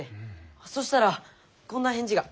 そしたらこんな返事が。